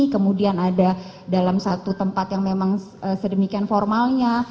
kemudian ada dalam satu tempat yang memang sedemikian formalnya